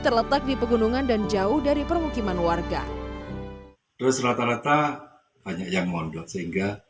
terletak di pegunungan dan jauh dari permukiman warga terus rata rata banyak yang mondok sehingga